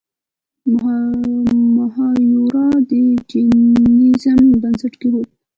مهایورا د جینیزم بنسټ کیښود.